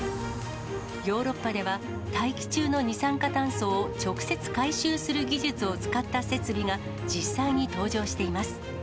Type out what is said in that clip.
ヨーロッパでは、大気中の二酸化炭素を直接回収する技術を使った設備が実際に登場しています。